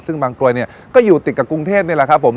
ซึ่งบางกรวยเนี่ยก็อยู่ติดกับกรุงเทพนี่แหละครับผม